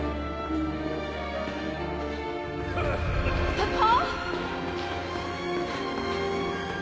パパ？